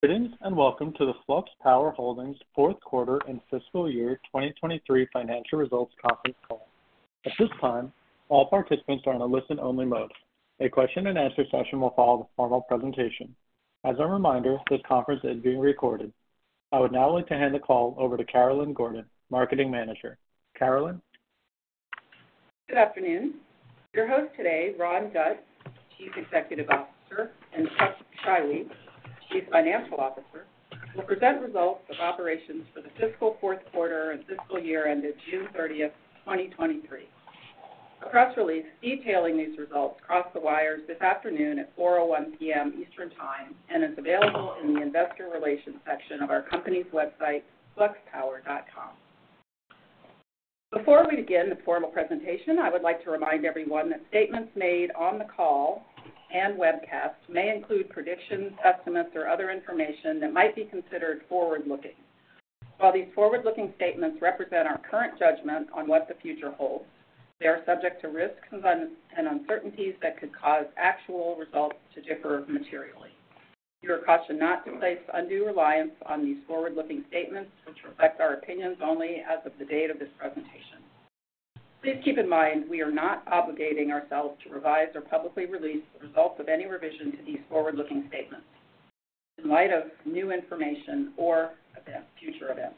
Greetings, and welcome to the Flux Power Holdings Q4 and Fiscal Year 2023 financial results conference call. At this time, all participants are in a listen-only mode. A question-and-answer session will follow the formal presentation. As a reminder, this conference is being recorded. I would now like to hand the call over to Carolyn Gordon, Marketing Manager. Carolyn? Good afternoon. Your host today, Ron Dutt, Chief Executive Officer, and Chuck Scheiwe, Chief Financial Officer, will present results of operations for the fiscal Q4 and fiscal year ended June 30, 2023. A press release detailing these results crossed the wires this afternoon at 4:01 P.M. Eastern Time, and is available in the investor relations section of our company's website, fluxpower.com. Before we begin the formal presentation, I would like to remind everyone that statements made on the call and webcast may include predictions, estimates, or other information that might be considered forward-looking. While these forward-looking statements represent our current judgment on what the future holds, they are subject to risks and uncertainties that could cause actual results to differ materially. You are cautioned not to place undue reliance on these forward-looking statements, which reflect our opinions only as of the date of this presentation. Please keep in mind, we are not obligating ourselves to revise or publicly release the results of any revision to these forward-looking statements in light of new information or events, future events.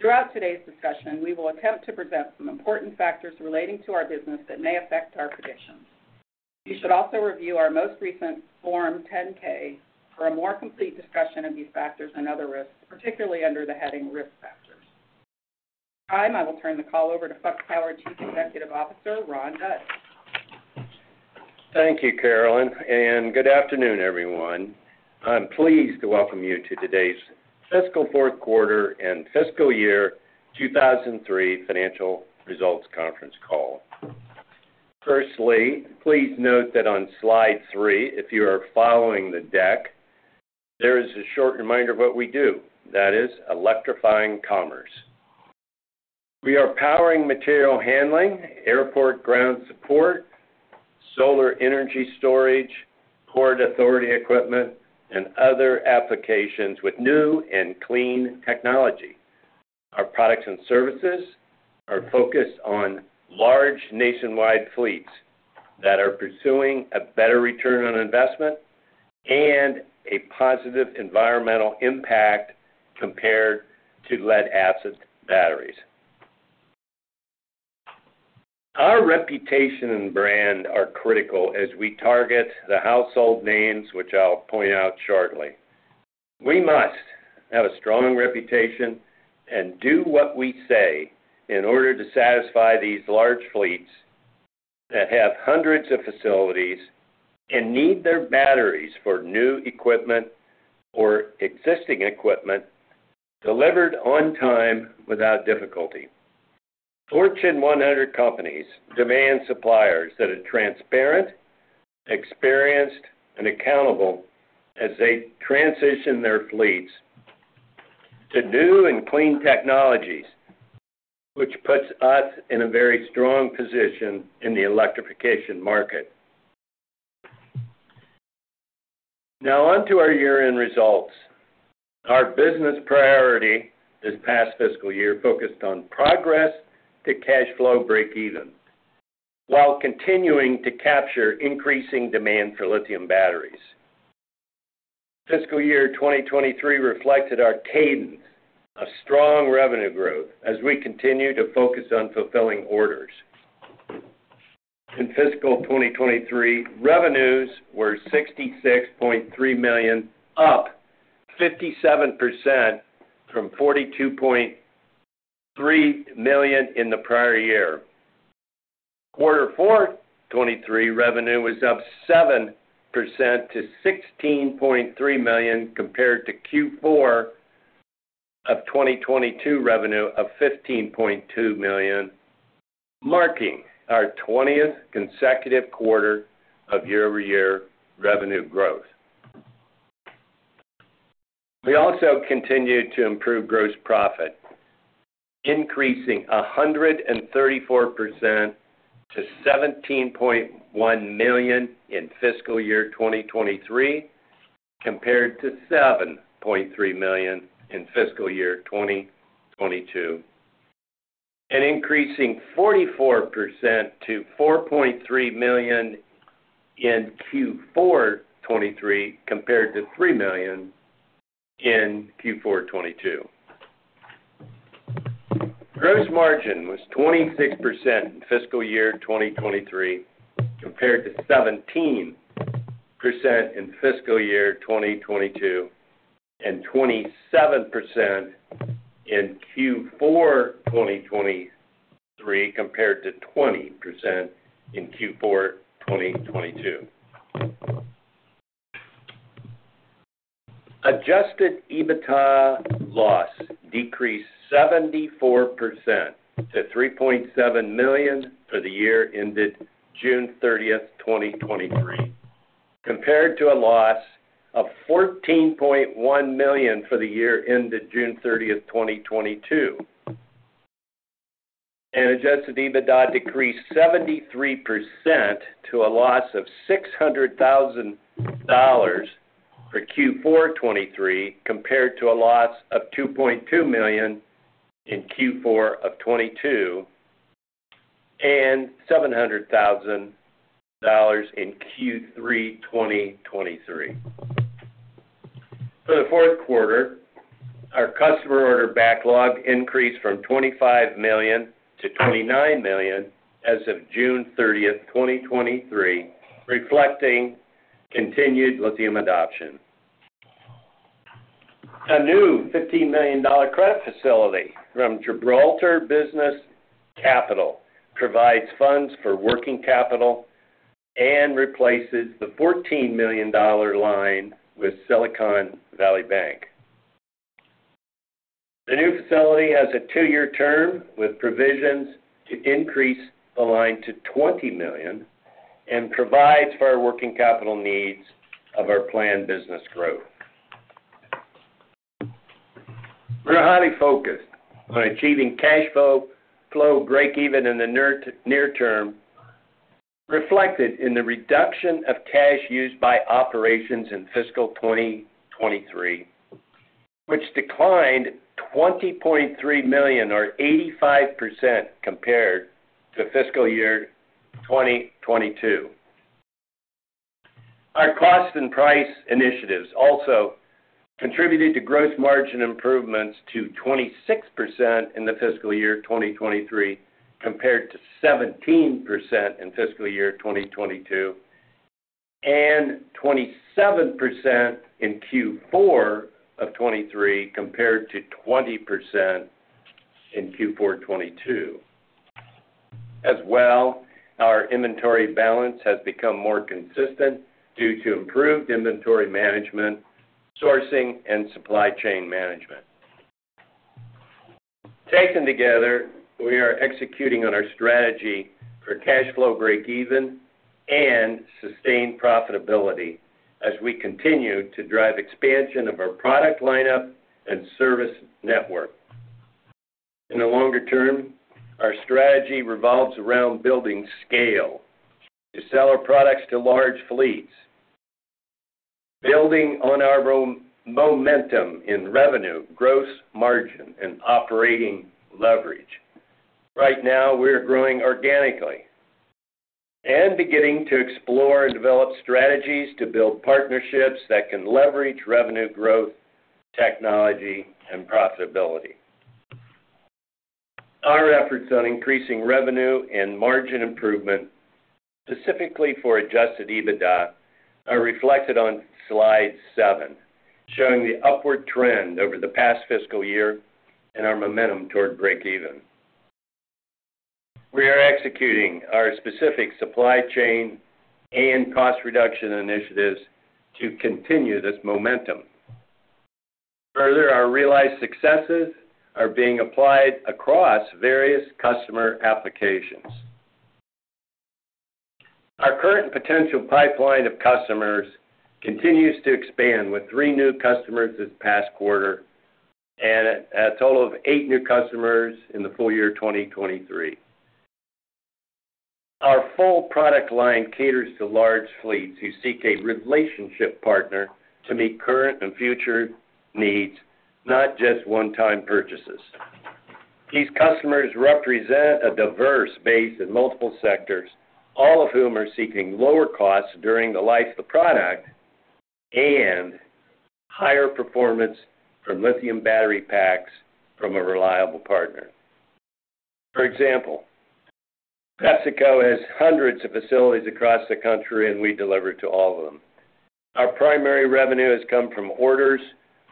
Throughout today's discussion, we will attempt to present some important factors relating to our business that may affect our predictions. You should also review our most recent Form 10-K for a more complete discussion of these factors and other risks, particularly under the heading Risk Factors. I will turn the call over to Flux Power Chief Executive Officer, Ron Dutt. Thank you, Karolina, and good afternoon, everyone. I'm pleased to welcome you to today's fiscal Q4 and fiscal year 2023 financial results conference call. Firstly, please note that on slide 3, if you are following the deck, there is a short reminder of what we do, that is, electrifying commerce. We are powering material handling, airport ground support, solar energy storage, port authority equipment, and other applications with new and clean technology. Our products and services are focused on large nationwide fleets that are pursuing a better return on investment and a positive environmental impact compared to lead-acid batteries. Our reputation and brand are critical as we target the household names, which I'll point out shortly. We must have a strong reputation and do what we say in order to satisfy these large fleets that have hundreds of facilities and need their batteries for new equipment or existing equipment delivered on time without difficulty. Fortune 100 companies demand suppliers that are transparent, experienced, and accountable as they transition their fleets to new and clean technologies, which puts us in a very strong position in the electrification market. Now on to our year-end results. Our business priority this past fiscal year focused on progress to cash flow breakeven, while continuing to capture increasing demand for lithium batteries. Fiscal year 2023 reflected our cadence of strong revenue growth as we continue to focus on fulfilling orders. In fiscal 2023, revenues were $66.3 million, up 57% from $42.3 million in the prior year. Q4 2023 revenue was up 7% to $16.3 million, compared to Q4 2022 revenue of $15.2 million, marking our 20th consecutive quarter of year-over-year revenue growth. We also continued to improve gross profit, increasing 134% to $17.1 million in fiscal year 2023, compared to $7.3 million in fiscal year 2022, and increasing 44% to $4.3 million in Q4 2023, compared to $3 million in Q4 2022. Gross margin was 26% in fiscal year 2023, compared to 17% in fiscal year 2022, and 27% in Q4 2023, compared to 20% in Q4 2022. Adjusted EBITDA loss decreased 74% to $3.7 million for the year ended June 30, 2023, compared to a loss of $14.1 million for the year ended June 30, 2022, and adjusted EBITDA decreased 73% to a loss of $600,000 for Q4 2023, compared to a loss of $2.2 million in Q4 2022 and $700,000 in Q3 2023. For the Q4, our customer order backlog increased from $25 million to $29 million as of June 30, 2023, reflecting continued lithium adoption. A new $15 million credit facility from Gibraltar Business Capital provides funds for working capital and replaces the $14 million line with Silicon Valley Bank. The new facility has a two-year term, with provisions to increase the line to $20 million and provides for our working capital needs of our planned business growth. We're highly focused on achieving cash flow breakeven in the near term, reflected in the reduction of cash used by operations in fiscal 2023, which declined $20.3 million, or 85%, compared to fiscal year 2022. Our cost and price initiatives also contributed to gross margin improvements to 26% in the fiscal year 2023, compared to 17% in fiscal year 2022, and 27% in Q4 of 2023, compared to 20% in Q4 2022. As well, our inventory balance has become more consistent due to improved inventory management, sourcing, and supply chain management. Taken together, we are executing on our strategy for cash flow breakeven and sustained profitability as we continue to drive expansion of our product lineup and service network. In the longer term, our strategy revolves around building scale to sell our products to large fleets, building on our robust momentum in revenue, gross margin, and operating leverage. Right now, we are growing organically and beginning to explore and develop strategies to build partnerships that can leverage revenue growth, technology, and profitability. Our efforts on increasing revenue and margin improvement, specifically for Adjusted EBITDA, are reflected on slide seven, showing the upward trend over the past fiscal year and our momentum toward breakeven. We are executing our specific supply chain and cost reduction initiatives to continue this momentum. Further, our realized successes are being applied across various customer applications. Our current potential pipeline of customers continues to expand, with 3 new customers this past quarter and a total of 8 new customers in the full year, 2023. Our full product line caters to large fleets who seek a relationship partner to meet current and future needs, not just one-time purchases. These customers represent a diverse base in multiple sectors, all of whom are seeking lower costs during the life of the product and higher performance from lithium-ion battery packs from a reliable partner. For example, PepsiCo has hundreds of facilities across the country, and we deliver to all of them. Our primary revenue has come from orders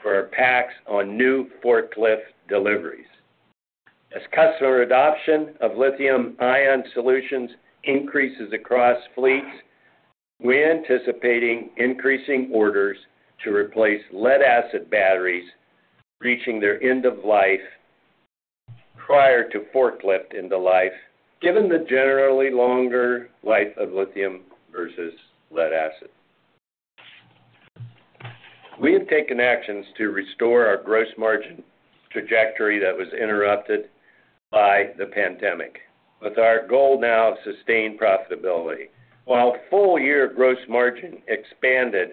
for our packs on new forklift deliveries. As customer adoption of lithium-ion solutions increases across fleets, we're anticipating increasing orders to replace lead-acid batteries reaching their end of life prior to forklift end of life, given the generally longer life of lithium versus lead acid. We have taken actions to restore our gross margin trajectory that was interrupted by the pandemic, with our goal now of sustained profitability. While full-year gross margin expanded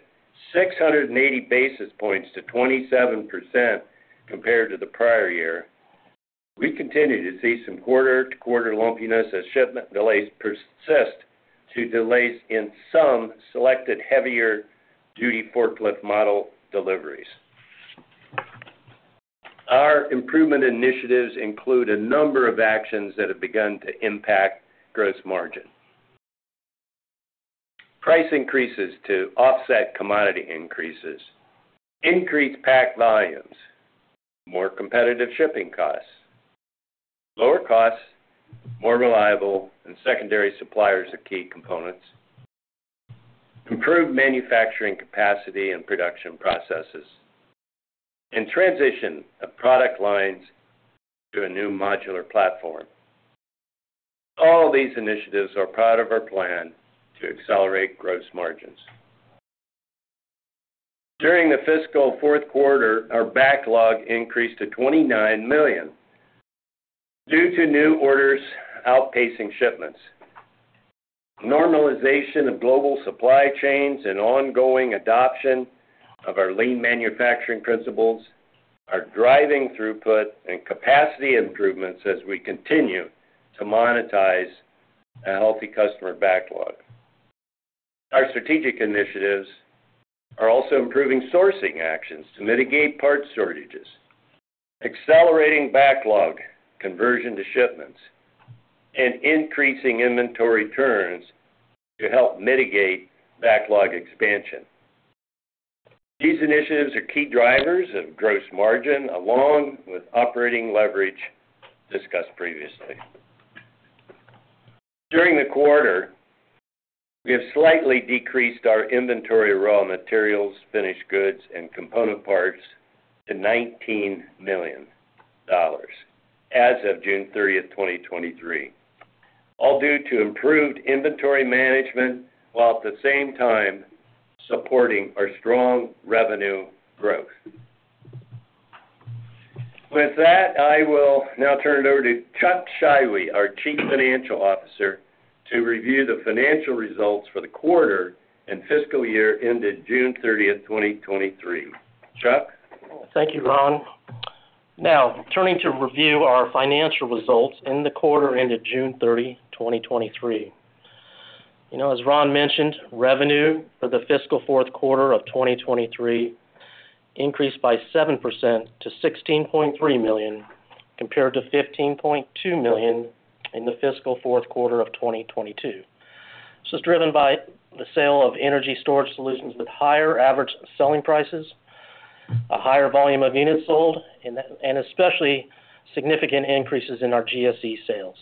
680 basis points to 27% compared to the prior year, we continue to see some quarter-to-quarter lumpiness as shipment delays persist to delays in some selected heavier-duty forklift model deliveries. Our improvement initiatives include a number of actions that have begun to impact gross margin. Price increases to offset commodity increases, increased pack volumes, more competitive shipping costs, lower costs, more reliable and secondary suppliers of key components, improved manufacturing capacity and production processes, and transition of product lines to a new modular platform. All these initiatives are part of our plan to accelerate gross margins. During the fiscal Q4, our backlog increased to $29 million, due to new orders outpacing shipments. Normalization of global supply chains and ongoing adoption of our lean manufacturing principles are driving throughput and capacity improvements as we continue to monetize a healthy customer backlog. Our strategic initiatives are also improving sourcing actions to mitigate part shortages, accelerating backlog conversion to shipments, and increasing inventory turns to help mitigate backlog expansion. These initiatives are key drivers of gross margin, along with operating leverage discussed previously. During the quarter, we have slightly decreased our inventory, raw materials, finished goods, and component parts to $19 million as of June 30th, 2023, all due to improved inventory management, while at the same time supporting our strong revenue growth. With that, I will now turn it over to Chuck Scheiwe, our Chief Financial Officer, to review the financial results for the quarter and fiscal year ended June 30th, 2023. Chuck? Thank you, Ron. Now, turning to review our financial results in the quarter ended June 30, 2023. You know, as Ron mentioned, revenue for the fiscal Q4 of 2023 increased by 7% to $16.3 million, compared to $15.2 million in the fiscal Q4 of 2022. This is driven by the sale of energy storage solutions with higher average selling prices, a higher volume of units sold, and, and especially significant increases in our GSE sales.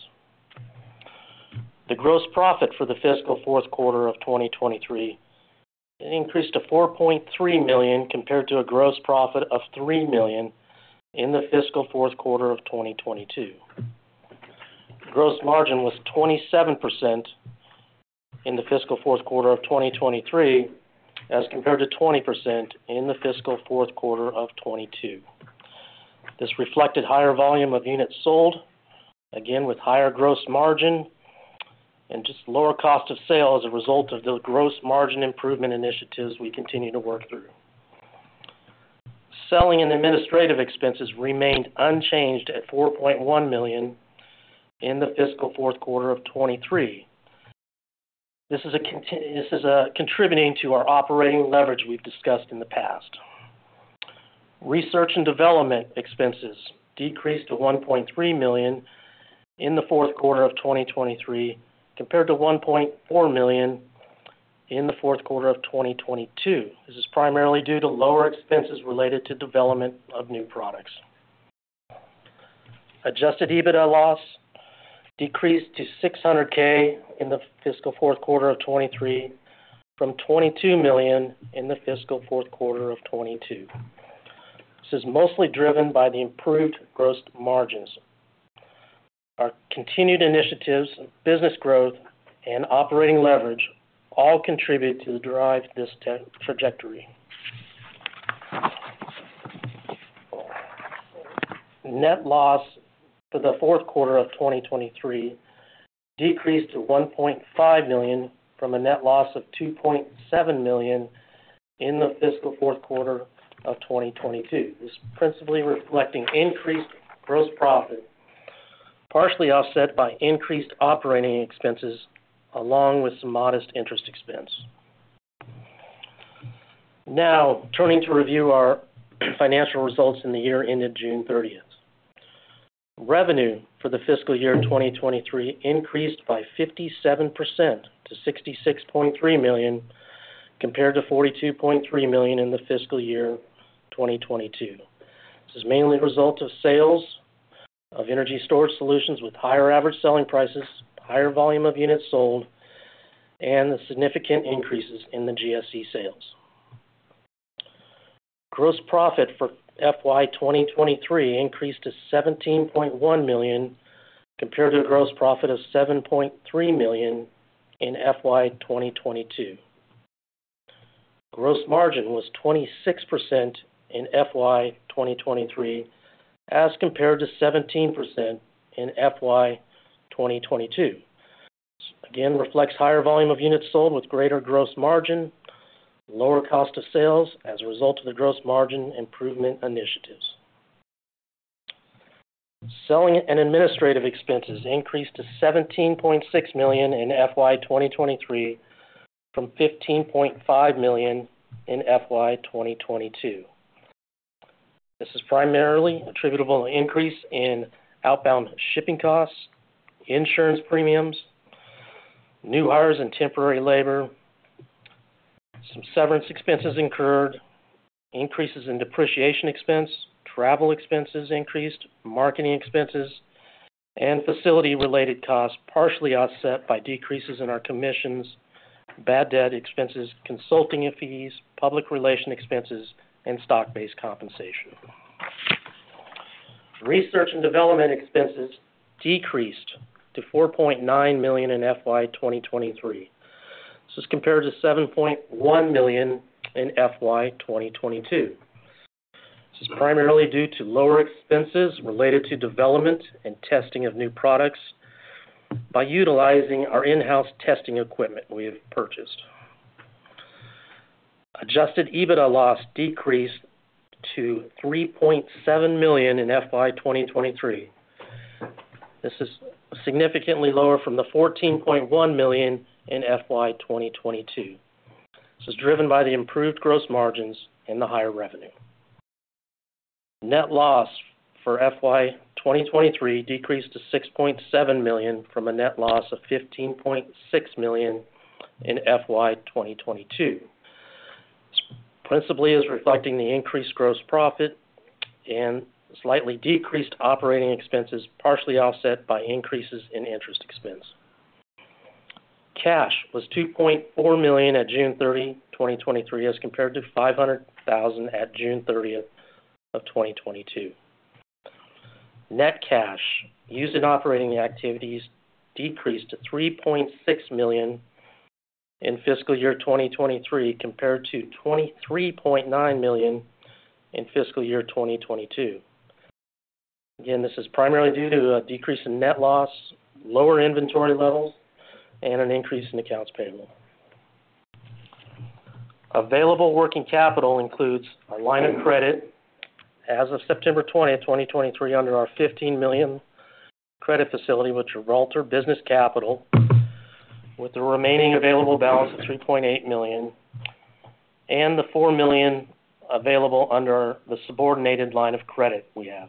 The gross profit for the fiscal Q4 of 2023 increased to $4.3 million, compared to a gross profit of $3 million in the fiscal Q4 of 2022. Gross margin was 27% in the fiscal Q4 of 2023, as compared to 20% in the fiscal Q4 of 2022. This reflected higher volume of units sold, again, with higher gross margin and just lower cost of sale as a result of the gross margin improvement initiatives we continue to work through. Selling and administrative expenses remained unchanged at $4.1 million in the fiscal Q4 of 2023. This is contributing to our operating leverage we've discussed in the past. Research and development expenses decreased to $1.3 million in the Q4 of 2023, compared to $1.4 million in the Q4 of 2022. This is primarily due to lower expenses related to development of new products. Adjusted EBITDA loss decreased to $600,000 in the fiscal Q4 of 2023, from $22 million in the fiscal Q4 of 2022. This is mostly driven by the improved gross margins. Our continued initiatives, business growth, and operating leverage all contribute to drive this trajectory. Net loss for the Q4 of 2023 decreased to $1.5 million from a net loss of $2.7 million in the fiscal Q4 of 2022. This is principally reflecting increased gross profit, partially offset by increased operating expenses, along with some modest interest expense. Now, turning to review our financial results in the year ended June30th. Revenue for the fiscal year 2023 increased by 57% to $66.3 million, compared to $42.3 million in the fiscal year 2022. This is mainly a result of sales of energy storage solutions with higher average selling prices, higher volume of units sold, and the significant increases in the GSE sales. Gross profit for FY 2023 increased to $17.1 million, compared to a gross profit of $7.3 million in FY 2022. Gross margin was 26% in FY 2023, as compared to 17% in FY 2022. Again, reflects higher volume of units sold with greater gross margin, lower cost of sales as a result of the gross margin improvement initiatives. Selling and administrative expenses increased to $17.6 million in FY 2023 from $15.5 million in FY 2022. This is primarily attributable to increase in outbound shipping costs, insurance premiums, new hires and temporary labor, some severance expenses incurred, increases in depreciation expense, travel expenses increased, marketing expenses, and facility-related costs, partially offset by decreases in our commissions, bad debt expenses, consulting fees, public relation expenses, and stock-based compensation. Research and development expenses decreased to $4.9 million in FY 2023. This is compared to $7.1 million in FY 2022. This is primarily due to lower expenses related to development and testing of new products by utilizing our in-house testing equipment we have purchased. Adjusted EBITDA loss decreased to $3.7 million in FY 2023. This is significantly lower from the $14.1 million in FY 2022. This is driven by the improved gross margins and the higher revenue. Net loss for FY 2023 decreased to $6.7 million, from a net loss of $15.6 million in FY 2022. Principally, is reflecting the increased gross profit and slightly decreased operating expenses, partially offset by increases in interest expense. Cash was $2.4 million at June 30, 2023, as compared to $500,000 at June 30, 2022. Net cash used in operating activities decreased to $3.6 million in fiscal year 2023, compared to $23.9 million in fiscal year 2022. Again, this is primarily due to a decrease in net loss, lower inventory levels, and an increase in accounts payable. Available working capital includes a line of credit as of September 20, 2023, under our $15 million credit facility with Gibraltar Business Capital, with the remaining available balance of $3.8 million and the $4 million available under the subordinated line of credit we have.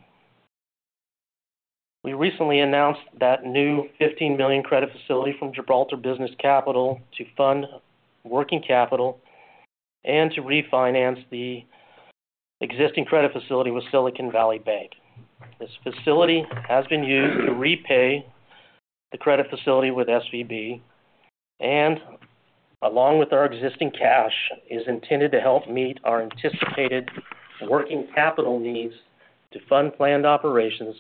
We recently announced that new $15 million credit facility from Gibraltar Business Capital to fund working capital and to refinance the existing credit facility with Silicon Valley Bank. This facility has been used to repay the credit facility with SVB, and along with our existing cash, is intended to help meet our anticipated working capital needs to fund planned operations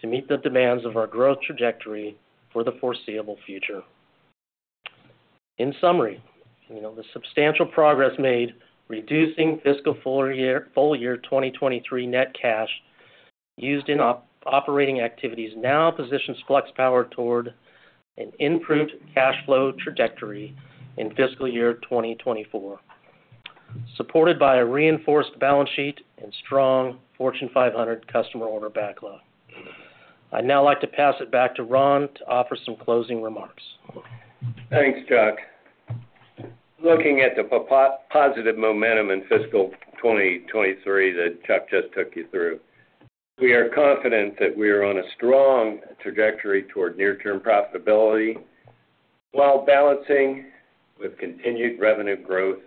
to meet the demands of our growth trajectory for the foreseeable future. In summary, you know, the substantial progress made reducing fiscal full year, full year 2023 net cash used in operating activities now positions Flux Power toward an improved cash flow trajectory in fiscal year 2024, supported by a reinforced balance sheet and strong Fortune 500 customer order backlog. I'd now like to pass it back to Ron to offer some closing remarks. Thanks, Chuck. Looking at the positive momentum in fiscal 2023 that Chuck just took you through, we are confident that we are on a strong trajectory toward near-term profitability, while balancing with continued revenue growth,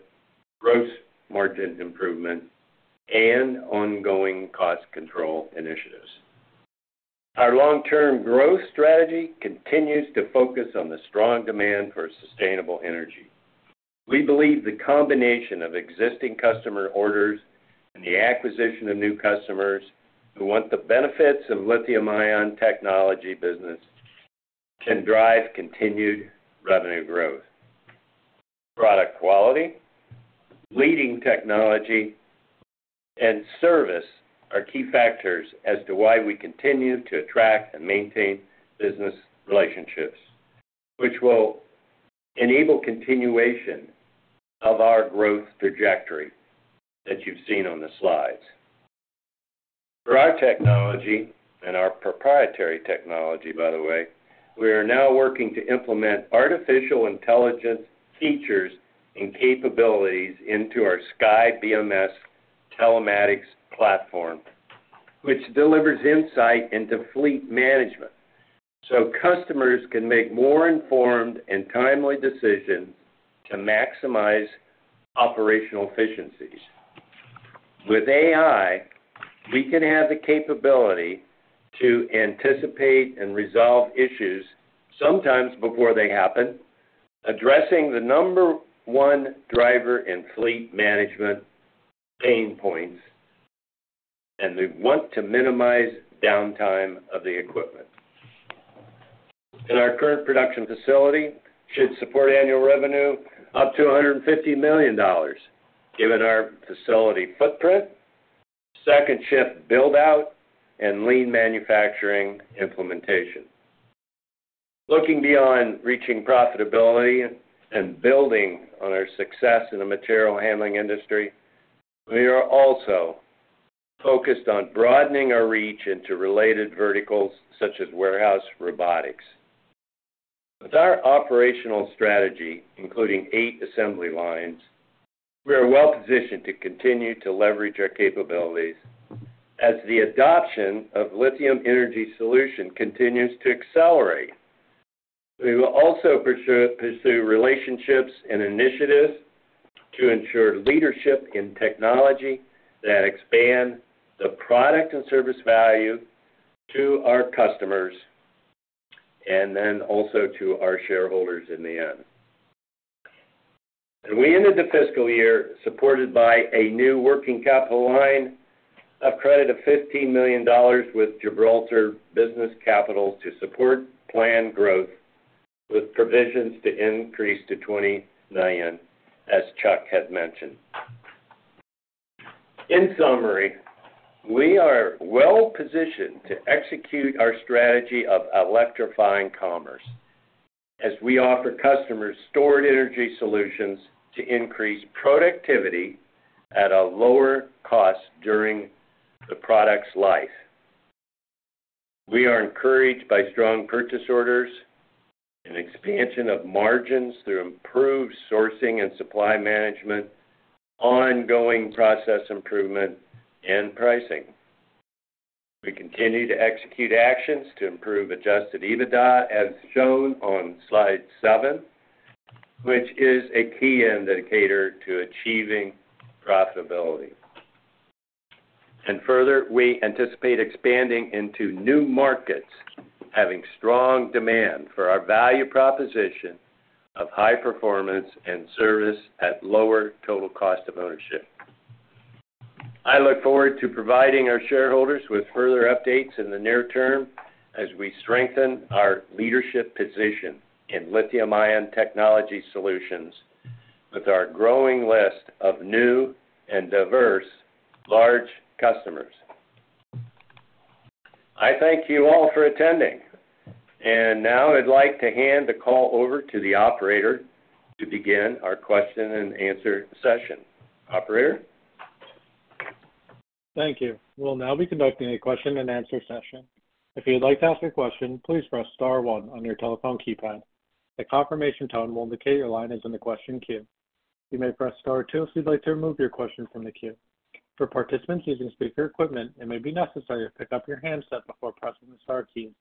gross margin improvement, and ongoing cost control initiatives. Our long-term growth strategy continues to focus on the strong demand for sustainable energy. We believe the combination of existing customer orders and the acquisition of new customers who want the benefits of lithium-ion technology business, can drive continued revenue growth. Product quality, leading technology, and service are key factors as to why we continue to attract and maintain business relationships, which will enable continuation of our growth trajectory that you've seen on the slides. For our technology and our proprietary technology, by the way, we are now working to implement artificial intelligence features and capabilities into our SkyBMS telematics platform, which delivers insight into fleet management, so customers can make more informed and timely decisions to maximize operational efficiencies. With AI, we can have the capability to anticipate and resolve issues sometimes before they happen, addressing the number one driver in fleet management pain points, and we want to minimize downtime of the equipment. In our current production facility, should support annual revenue up to $150 million, given our facility footprint, second shift build-out, and lean manufacturing implementation. Looking beyond reaching profitability and building on our success in the material handling industry, we are also focused on broadening our reach into related verticals such as warehouse robotics. With our operational strategy, including eight assembly lines, we are well positioned to continue to leverage our capabilities. As the adoption of lithium energy solution continues to accelerate, we will also pursue relationships and initiatives to ensure leadership in technology that expand the product and service value to our customers, and then also to our shareholders in the end. We ended the fiscal year supported by a new working capital line of credit of $15 million with Gibraltar Business Capital to support planned growth, with provisions to increase to $20 million, as Chuck had mentioned. In summary, we are well-positioned to execute our strategy of electrifying commerce, as we offer customers stored energy solutions to increase productivity at a lower cost during the product's life. We are encouraged by strong purchase orders and expansion of margins through improved sourcing and supply management, ongoing process improvement, and pricing. We continue to execute actions to improve Adjusted EBITDA, as shown on slide 7, which is a key indicator to achieving profitability. And further, we anticipate expanding into new markets, having strong demand for our value proposition of high performance and service at lower total cost of ownership. I look forward to providing our shareholders with further updates in the near term as we strengthen our leadership position in lithium-ion technology solutions with our growing list of new and diverse large customers. I thank you all for attending, and now I'd like to hand the call over to the operator to begin our question-and-answer session. Operator? Thank you. We'll now be conducting a question-and-answer session. If you'd like to ask a question, please press star one on your telephone keypad. A confirmation tone will indicate your line is in the question queue. You may press star two if you'd like to remove your question from the queue. For participants using speaker equipment, it may be necessary to pick up your handset before pressing the star key.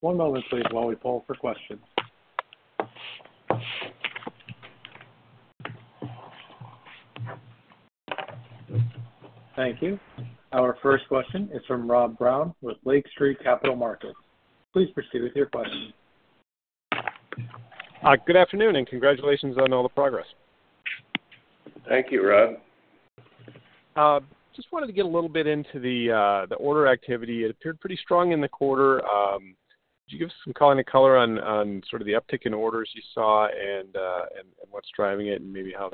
One moment, please, while we poll for questions. Thank you. Our first question is from Rob Brown with Lake Street Capital Markets. Please proceed with your question. Good afternoon, and congratulations on all the progress. Thank you, Rob. Just wanted to get a little bit into the order activity. It appeared pretty strong in the quarter. Could you give us some kind of color on sort of the uptick in orders you saw and what's driving it, and maybe how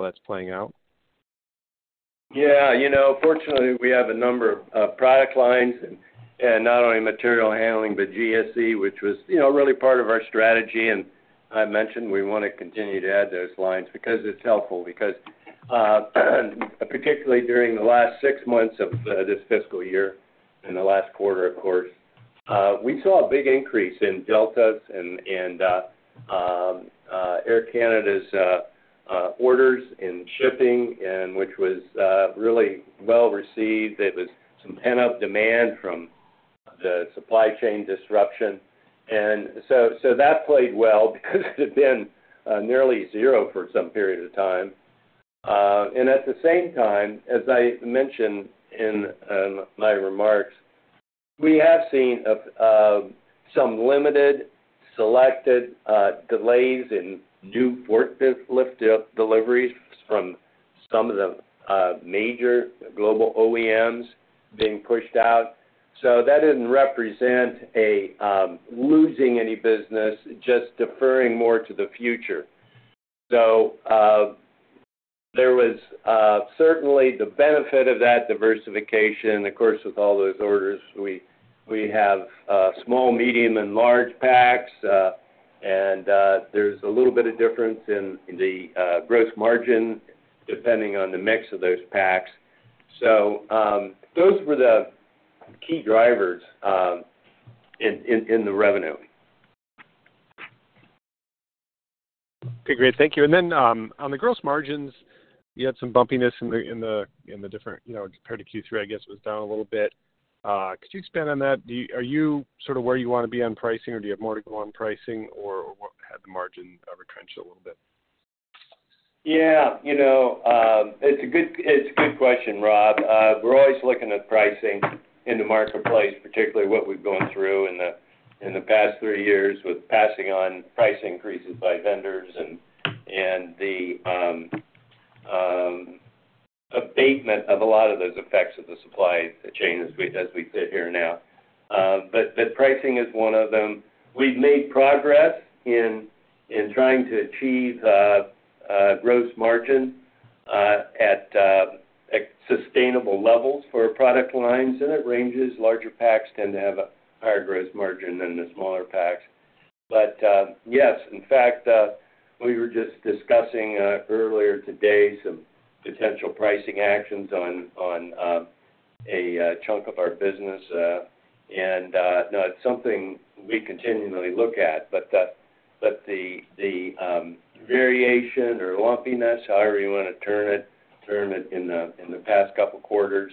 that's playing out? Yeah, you know, fortunately, we have a number of product lines and not only material handling, but GSE, which was really part of our strategy. I mentioned we want to continue to add those lines because it's helpful. Particularly during the last six months of this fiscal year and the last quarter, of course, we saw a big increase in Delta's and Air Canada's orders in shipping, which was really well-received. There was some pent-up demand from the supply chain disruption, and that played well because it had been nearly zero for some period of time. And at the same time, as I mentioned in my remarks, we have seen a some limited selected delays in new forklift deliveries from some of the major global OEMs being pushed out. So that didn't represent a losing any business, just deferring more to the future. So there was certainly the benefit of that diversification. Of course, with all those orders, we have small, medium, and large packs, and there's a little bit of difference in the gross margin, depending on the mix of those packs. So those were the key drivers in the revenue. Okay, great. Thank you. And then, on the gross margins, you had some bumpiness in the different... You know, compared to Q3, I guess it was down a little bit. Could you expand on that? Do you-- are you sort of where you want to be on pricing, or do you have more to go on pricing, or what had the margin retrenched a little bit? Yeah, you know, it's a good, it's a good question, Rob. We're always looking at pricing in the marketplace, particularly what we've gone through in the past three years with passing on price increases by vendors and the abatement of a lot of those effects of the supply chain as we sit here now. But pricing is one of them. We've made progress in trying to achieve a gross margin at sustainable levels for our product lines, and it ranges. Larger packs tend to have a higher gross margin than the smaller packs. But yes, in fact, we were just discussing earlier today some potential pricing actions on a chunk of our business. No, it's something we continually look at, but the variation or lumpiness, however you want to turn it, in the past couple of quarters,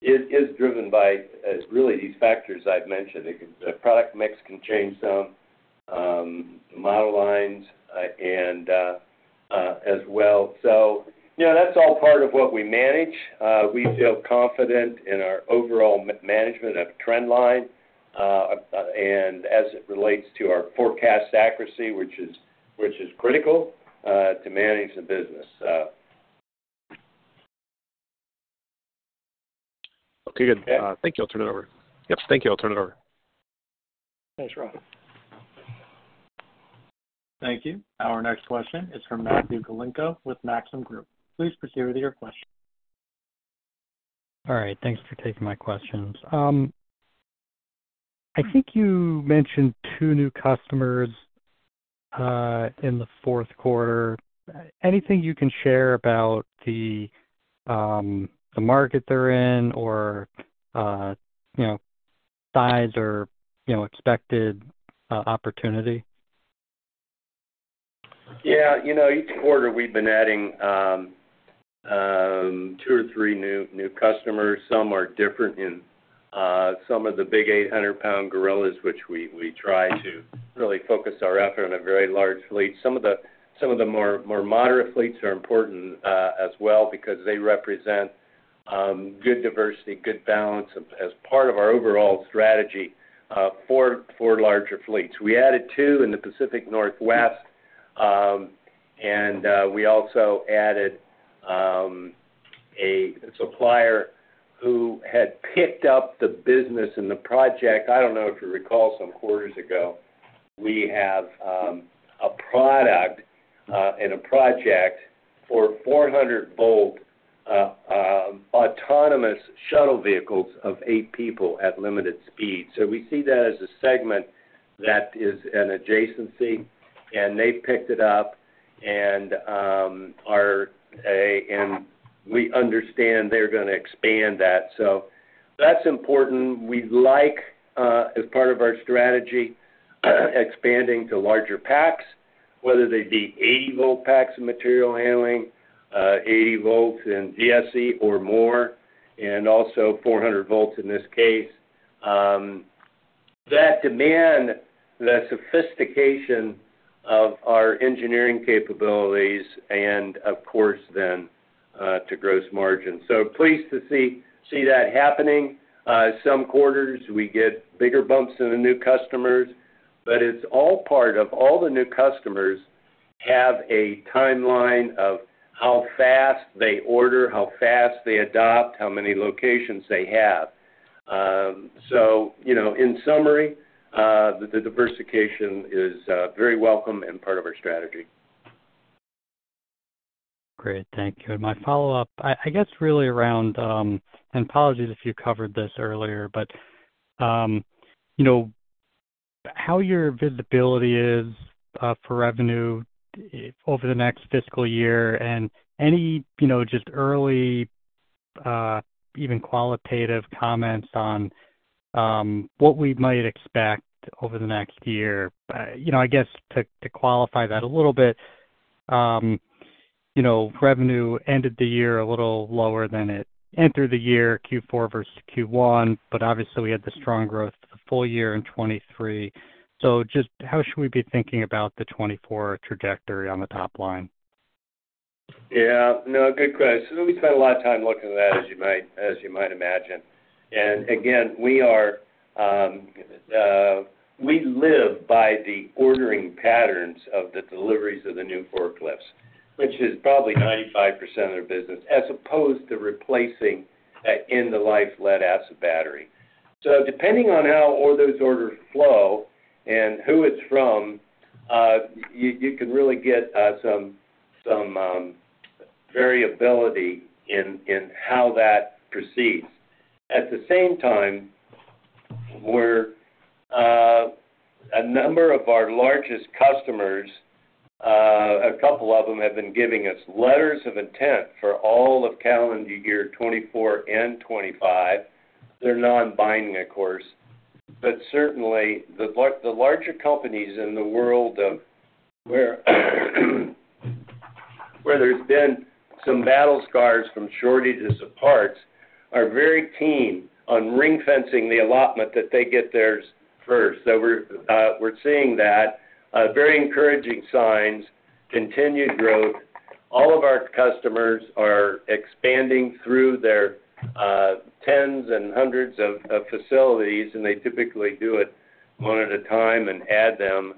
is driven by really these factors I've mentioned. The product mix can change some model lines and as well. So, yeah, that's all part of what we manage. We feel confident in our overall management of trend line and as it relates to our forecast accuracy, which is critical to manage the business. Okay, good. Thank you. I'll turn it over. Yes, thank you. I'll turn it over. Thanks, Rob. Thank you. Our next question is from Matthew Galinko with Maxim Group. Please proceed with your question. All right. Thanks for taking my questions. I think you mentioned two new customers in the Q4. Anything you can share about the market they're in or, you know, size or, you know, expected opportunity? Yeah, you know, each quarter we've been adding two or three new customers. Some are different in, some of the big 800-pound gorillas, which we try to really focus our effort on a very large fleet. Some of the more moderate fleets are important as well, because they represent good diversity, good balance, as part of our overall strategy for larger fleets. We added two in the Pacific Northwest, and we also added a supplier who had picked up the business and the project. I don't know if you recall, some quarters ago, we have a product and a project for 400 volt autonomous shuttle vehicles of eight people at limited speed. We see that as a segment that is an adjacency, and they picked it up, and are a... And we understand they're gonna expand that. That's important. We like, as part of our strategy, expanding to larger packs, whether they be 80-volt packs of material handling, 80 volts in VSE or more, and also 400 volts in this case. That demand, the sophistication of our engineering capabilities and of course, then, to gross margin. Pleased to see, see that happening. Some quarters, we get bigger bumps in the new customers, but it's all part of all the new customers have a timeline of how fast they order, how fast they adopt, how many locations they have. You know, in summary, the diversification is very welcome and part of our strategy. Great. Thank you. My follow-up, I guess, really around, and apologies if you covered this earlier, but, you know, how your visibility is, for revenue over the next fiscal year and any, you know, just early, even qualitative comments on, what we might expect over the next year. You know, I guess to qualify that a little bit, you know, revenue ended the year a little lower than it entered the year, Q4 versus Q1, but obviously, we had the strong growth the full year in 2023. So just how should we be thinking about the 2024 trajectory on the top line? Yeah. No, good question. We spent a lot of time looking at that, as you might, as you might imagine. And again, we are, we live by the ordering patterns of the deliveries of the new forklifts, which is probably 95% of the business, as opposed to replacing that end-of-life lead-acid battery. So depending on how all those orders flow and who it's from, you, you can really get, some, some, variability in, in how that proceeds. At the same time, where, a number of our largest customers, a couple of them have been giving us letters of intent for all of calendar year 2024 and 2025. They're non-binding, of course, but certainly, the larger companies in the world where there's been some battle scars from shortages of parts are very keen on ring-fencing the allotment that they get theirs first. So we're seeing that, very encouraging signs, continued growth. All of our customers are expanding through their tens and hundreds of facilities, and they typically do it one at a time and add them.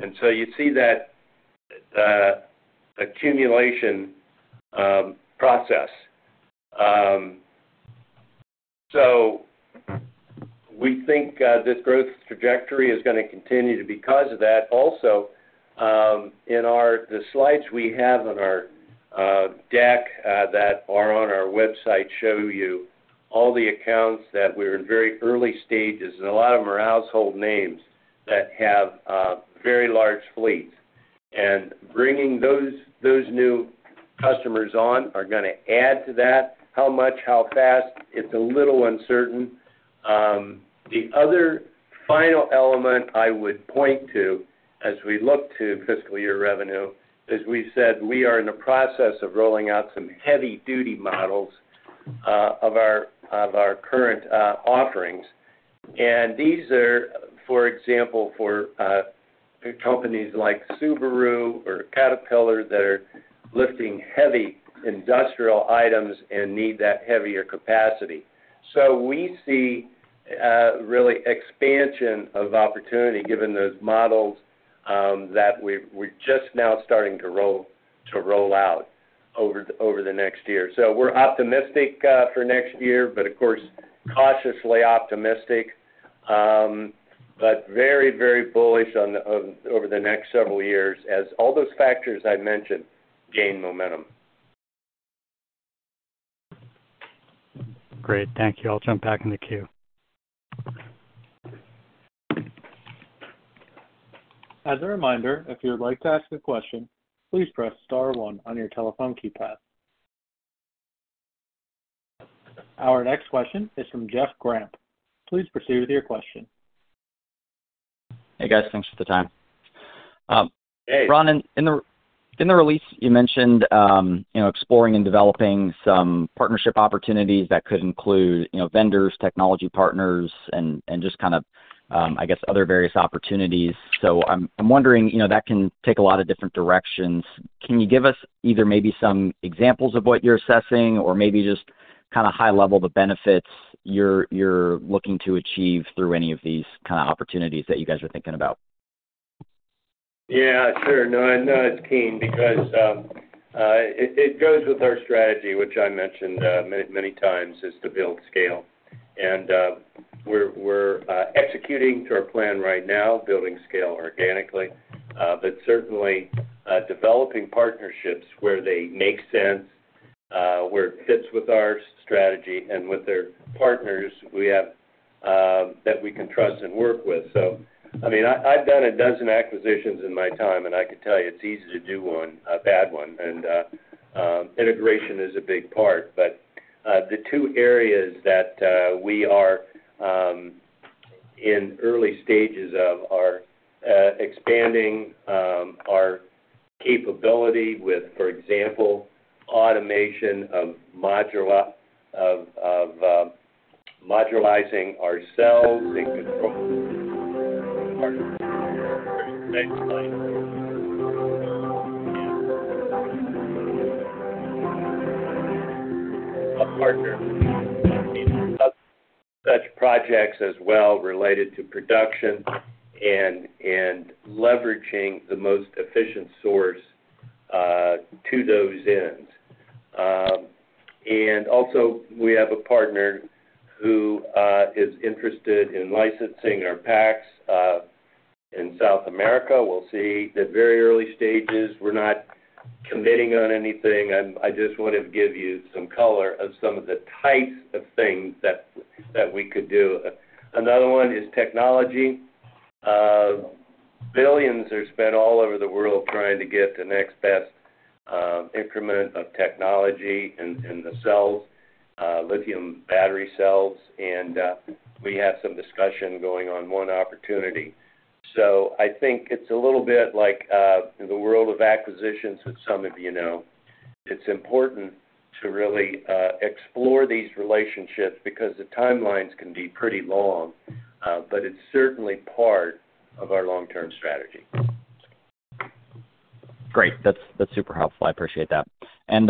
And so you see that, accumulation process. So we think this growth trajectory is gonna continue too because of that. Also, the slides we have on our deck that are on our website show you all the accounts that we're in very early stages, and a lot of them are household names that have very large fleets. Bringing those new customers on are gonna add to that. How much, how fast? It's a little uncertain. The other final element I would point to as we look to fiscal year revenue, as we said, we are in the process of rolling out some heavy-duty models of our current offerings. These are, for example, for companies like Subaru or Caterpillar that are lifting heavy industrial items and need that heavier capacity. So we see really expansion of opportunity, given those models that we're just now starting to roll out over the next year. So we're optimistic for next year, but of course, cautiously optimistic. But very, very bullish on the over the next several years as all those factors I mentioned gain momentum. Great. Thank you. I'll jump back in the queue. As a reminder, if you would like to ask a question, please press star one on your telephone keypad. Our next question is from Jeff Grampp. Please proceed with your question. Hey, guys. Thanks for the time. Hey. Ron, in the release, you mentioned, you know, exploring and developing some partnership opportunities that could include, you know, vendors, technology partners and just kind of, I guess, other various opportunities. So I'm wondering, you know, that can take a lot of different directions. Can you give us either maybe some examples of what you're assessing or maybe just kind of high level, the benefits you're looking to achieve through any of these kind of opportunities that you guys are thinking about? Yeah, sure. No, I know it's keen because it goes with our strategy, which I mentioned many, many times, is to build scale. And, we're executing to our plan right now, building scale organically. But certainly, developing partnerships where they make sense, where it fits with our strategy and with their partners that we can trust and work with. So, I mean, I've done a dozen acquisitions in my time, and I can tell you it's easy to do one, a bad one, and integration is a big part. But the two areas that we are in early stages of are expanding our capability with, for example, automation of modular-- of modularizing our cells and control. A partner. Such projects as well related to production and leveraging the most efficient source to those ends. And also, we have a partner who is interested in licensing our packs in South America. We'll see. They're very early stages. We're not committing on anything. I just wanted to give you some color of some of the types of things that we could do. Another one is technology. Billions are spent all over the world trying to get the next best increment of technology in the cells, lithium battery cells, and we have some discussion going on one opportunity. So I think it's a little bit like the world of acquisitions, as some of you know. It's important to really explore these relationships because the timelines can be pretty long, but it's certainly part of our long-term strategy. Great. That's super helpful. I appreciate that. And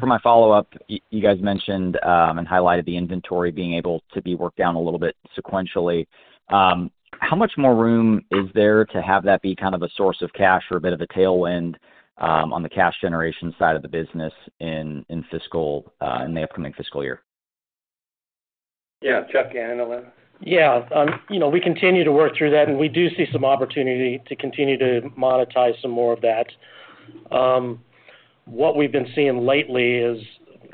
for my follow-up, you guys mentioned and highlighted the inventory being able to be worked down a little bit sequentially. How much more room is there to have that be kind of a source of cash or a bit of a tailwind on the cash generation side of the business in the upcoming fiscal year? Yeah. Chuck Scheiwe. Yeah. You know, we continue to work through that, and we do see some opportunity to continue to monetize some more of that. What we've been seeing lately is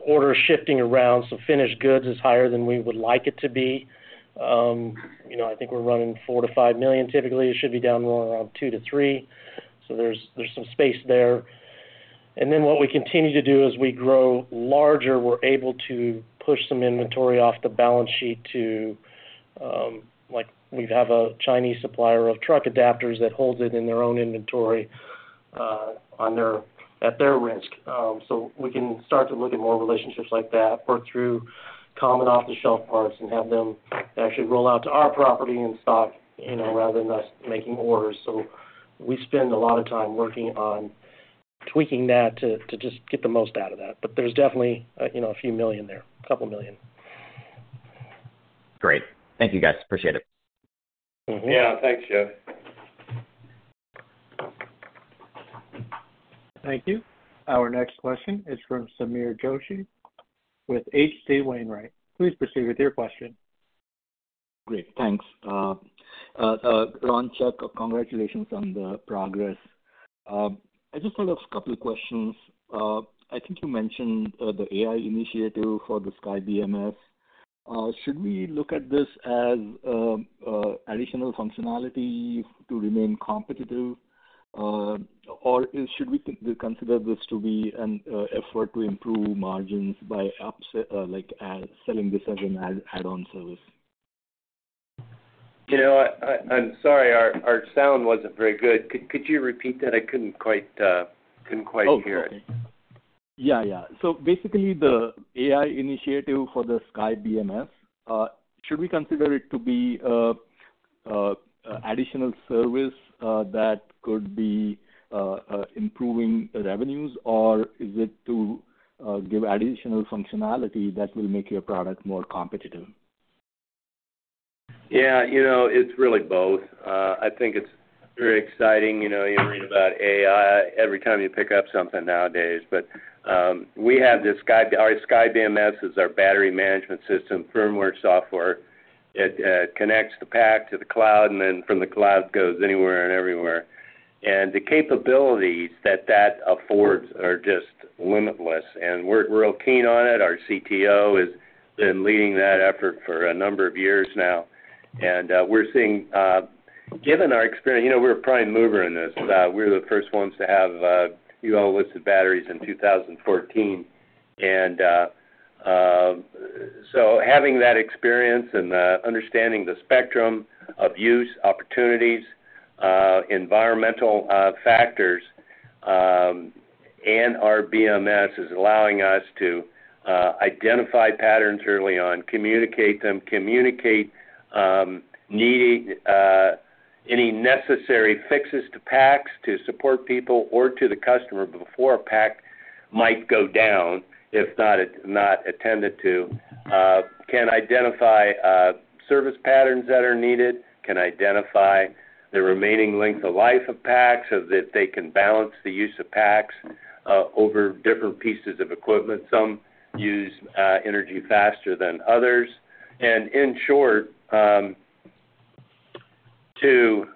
orders shifting around, so finished goods is higher than we would like it to be. You know, I think we're running $4 million-$5 million. Typically, it should be down more around $2 million-$3 million. So there's, there's some space there. And then what we continue to do, as we grow larger, we're able to push some inventory off the balance sheet to, like we'd have a Chinese supplier of truck adapters that holds it in their own inventory, on their at their risk. We can start to look at more relationships like that, work through common off-the-shelf parts, and have them actually roll out to our property and stock, you know, rather than us making orders. We spend a lot of time working on tweaking that to, to just get the most out of that. There's definitely, you know, a few million there, a couple million. Great. Thank you, guys. Appreciate it. Mm-hmm. Yeah. Thanks, Jeff. Thank you. Our next question is from Sameer Joshi with H.C. Wainwright. Please proceed with your question. Great, thanks. Ron, Chuck, congratulations on the progress. I just have a couple of questions. I think you mentioned the AI initiative for the SkyBMS. Should we look at this as additional functionality to remain competitive, or should we consider this to be an effort to improve margins by upselling, like, selling this as an add-on service? You know, I'm sorry, our sound wasn't very good. Could you repeat that? I couldn't quite hear it.... Yeah, yeah. So basically, the AI initiative for the SkyBMS, should we consider it to be additional service that could be improving the revenues, or is it to give additional functionality that will make your product more competitive? Yeah, you know, it's really both. I think it's very exciting. You know, you read about AI every time you pick up something nowadays. But, we have this SkyBMS—our SkyBMS is our battery management system, firmware, software. It connects the pack to the cloud, and then from the cloud, goes anywhere and everywhere. And the capabilities that that affords are just limitless, and we're, we're all keen on it. Our CTO has been leading that effort for a number of years now, and, we're seeing, given our experience, you know, we're a prime mover in this. We're the first ones to have UL-listed batteries in 2014. Having that experience and understanding the spectrum of use, opportunities, environmental factors, and our BMS is allowing us to identify patterns early on, communicate them, communicate needing any necessary fixes to packs, to support people or to the customer before a pack might go down, if not attended to. Can identify service patterns that are needed, can identify the remaining length of life of packs, so that they can balance the use of packs over different pieces of equipment. Some use energy faster than others, and in short, to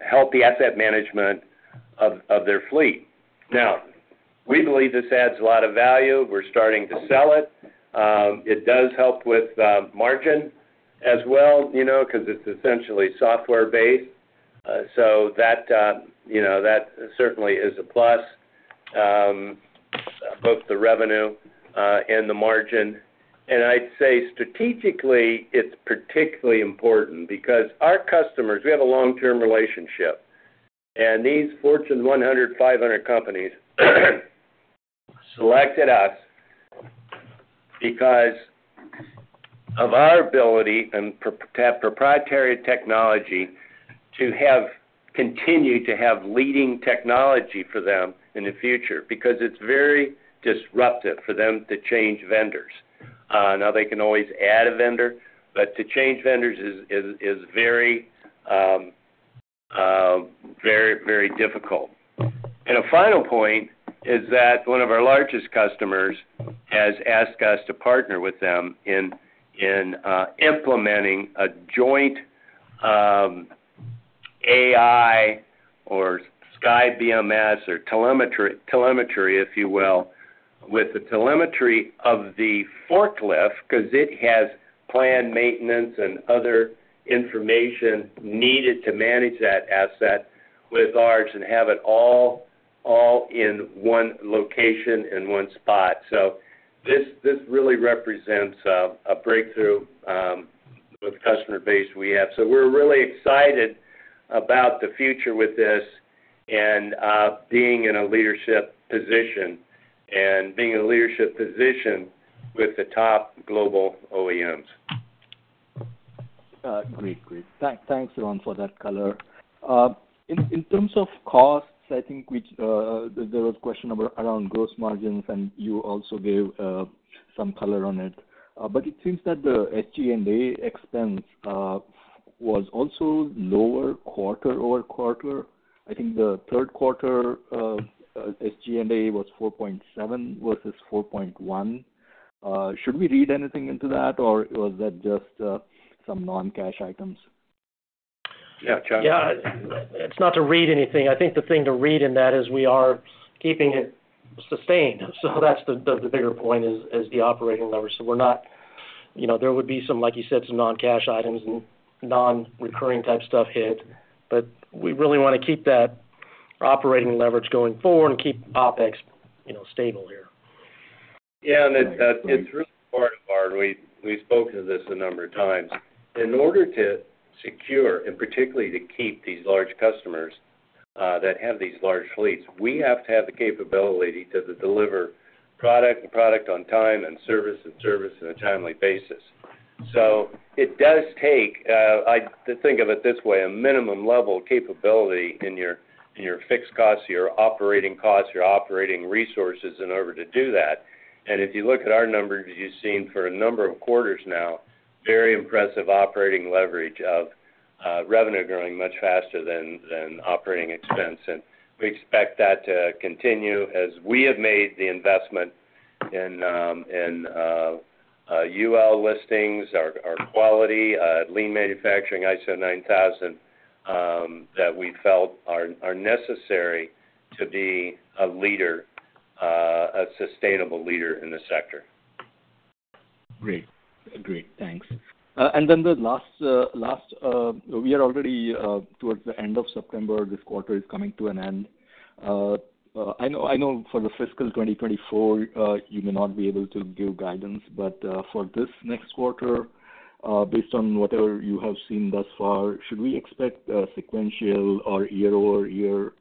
help the asset management of their fleet. Now, we believe this adds a lot of value. We're starting to sell it. It does help with margin as well, you know, because it's essentially software-based. So that, you know, that certainly is a plus, both the revenue and the margin. And I'd say strategically, it's particularly important because our customers, we have a long-term relationship, and these Fortune 100, 500 companies, selected us because of our ability and to have proprietary technology to have continued to have leading technology for them in the future, because it's very disruptive for them to change vendors. Now they can always add a vendor, but to change vendors is very, very difficult. A final point is that one of our largest customers has asked us to partner with them in, in, implementing a joint, AI or SkyBMS or telemetry, telemetry, if you will, with the telemetry of the forklift, because it has planned maintenance and other information needed to manage that asset with ours and have it all, all in one location, in one spot. So this, this really represents, a breakthrough, with the customer base we have. So we're really excited about the future with this and, being in a leadership position, and being in a leadership position with the top global OEMs. Great. Great. Thanks, Ron, for that color. In terms of costs, I think there was a question about around gross margins, and you also gave some color on it. But it seems that the SG&A expense was also lower quarter-over-quarter. I think the Q3 SG&A was 4.7 versus 4.1. Should we read anything into that, or was that just some non-cash items? Yeah, Chuck Yeah, it's not to read anything. I think the thing to read in that is we are keeping it sustained, so that's the bigger point is the operating leverage. So we're not—you know, there would be some, like you said, some non-cash items and non-recurring type stuff hit, but we really want to keep that operating leverage going forward and keep OpEx, you know, stable here. Yeah, and it, it's really part of our... We, we spoke to this a number of times. In order to secure and particularly to keep these large customers, that have these large fleets, we have to have the capability to deliver product and product on time and service and service on a timely basis. So it does take to think of it this way, a minimum level of capability in your, in your fixed costs, your operating costs, your operating resources in order to do that. And if you look at our numbers, you've seen for a number of quarters now, very impressive operating leverage of, revenue growing much faster than operating expense. And we expect that to continue as we have made the investment in UL listings, our quality, lean manufacturing, ISO 9000, that we felt are necessary to be a leader, a sustainable leader in the sector. Great. Great, thanks. And then the last, last, we are already towards the end of September, this quarter is coming to an end. I know, I know for the fiscal 2024, you may not be able to give guidance, but for this next quarter?... based on whatever you have seen thus far, should we expect sequential or year-over-year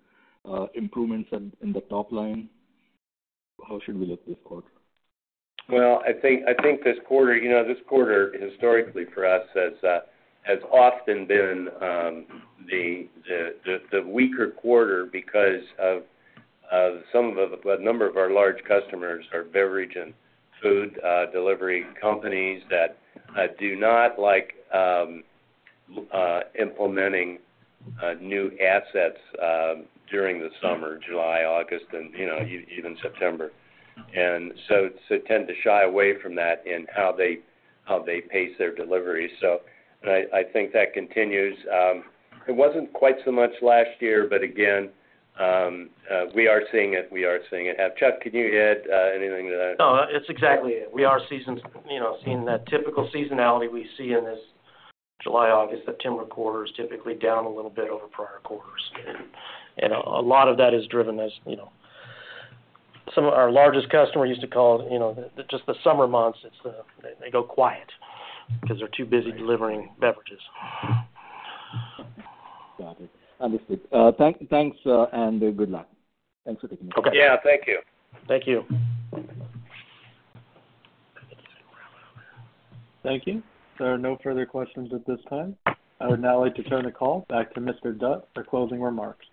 improvements in the top line? How should we look this quarter? Well, I think this quarter, you know, this quarter historically for us has often been the weaker quarter because a number of our large customers are beverage and food delivery companies that do not like implementing new assets during the summer, July, August, and, you know, even September. And so tend to shy away from that in how they pace their deliveries. So I think that continues. It wasn't quite so much last year, but again, we are seeing it happen. Chuck, can you add anything to that? No, it's exactly it. We are seasoned, you know, seeing that typical seasonality we see in this July, August, September quarters, typically down a little bit over prior quarters. A lot of that is driven, as, you know, some of our largest customers used to call it, you know, just the summer months, it's they go quiet because they're too busy delivering beverages. Got it. Understood. Thanks, and good luck. Thanks for taking my call. Yeah, thank you. Thank you. Thank you. There are no further questions at this time. I would now like to turn the call back to Mr. Dutt for closing remarks.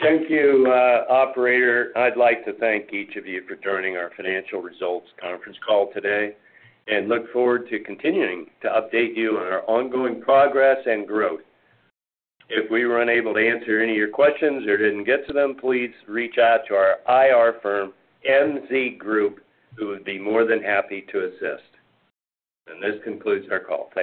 Thank you, operator. I'd like to thank each of you for joining our financial results conference call today, and look forward to continuing to update you on our ongoing progress and growth. If we were unable to answer any of your questions or didn't get to them, please reach out to our IR firm, MZ Group, who would be more than happy to assist. This concludes our call. Thank you.